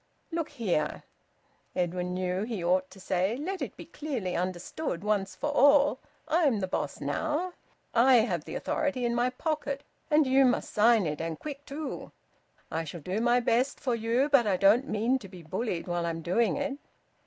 "Look here," Edwin knew that he ought to say. "Let it be clearly understood once for all I'm the boss now! I have the authority in my pocket and you must sign it, and quick too! I shall do my best for you, but I don't mean to be bullied while I'm doing it!"